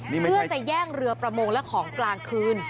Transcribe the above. เพื่อจะแย่งเรือประมงและของกลางคืน